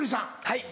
はい。